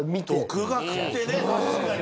独学って確かに。